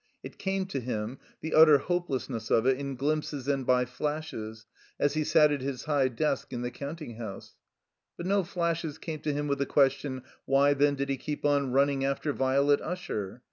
It came to him — ^the utter hopelessness of it — in glimpses and by flashes, as he sat at his high desk in the counting house. But no flashes came to him with the question, Why, then, did he keep on running after Violet Usher